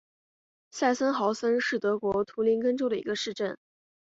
萨森豪森是德国图林根州的一个市镇。